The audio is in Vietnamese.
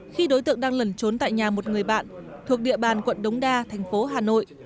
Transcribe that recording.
khi đối tượng đang lẩn trốn tại nhà một người bạn thuộc địa bàn quận đống đa thành phố hà nội